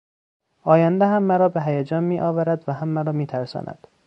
آینده هم مرا به هیجان میآورد و هم میترساند.